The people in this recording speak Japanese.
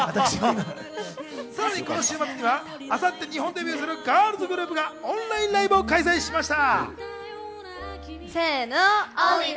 さらにこの週末には明後日、日本デビューするガールズグループがオンラインライブを開催しました。